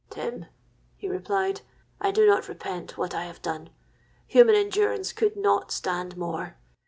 '—'Tim,' he replied, 'I do not repent what I have done. Human endurance could not stand more.